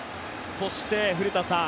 そして、古田さん